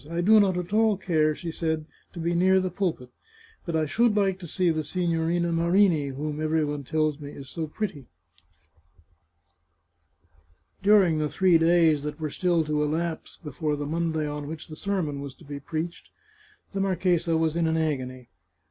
I do not at all care," she said, " to be near the pulpit, but I should like to see the Signorina Marini, whom every one tells me is so pretty." During the three days that were still to elapse before the Monday on which the sermon was to be preached, the mar chesa was in an agony.